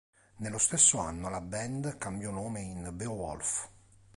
Nello stesso anno la band cambiò nome in "Beowulf".